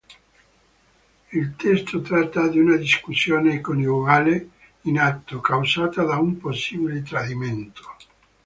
Il testo tratta di una discussione coniugale in atto, causata da un possibile tradimento.